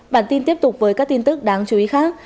bản tin tiếp tục với các tin tức đáng chú ý khác